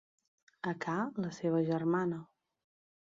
A ca la seva germana.